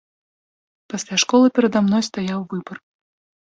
Пасля школы перада мной стаяў выбар.